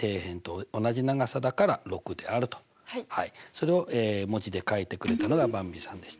それを文字で書いてくれたのがばんびさんでした。